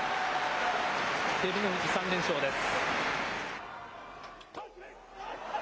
照ノ富士３連勝です。